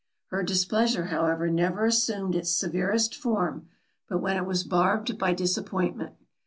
Her displeasure however never assumed its severest form, but when it was barbed by disappointment.